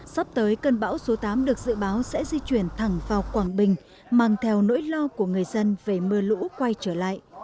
sắp tới cơn bão số tám được dự báo sẽ di chuyển thẳng vào quảng bình mang theo nỗi lo của người dân về mưa lũ quay trở lại